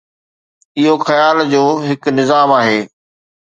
اهو خيال جو هڪ نظام آهي.